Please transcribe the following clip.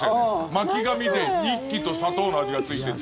巻紙でニッキと砂糖の味がついてて。